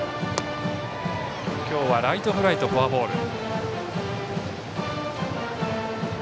今日はライトフライとフォアボール。